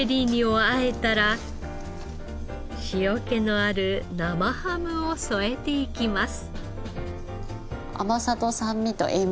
塩気のある生ハムを添えていきます。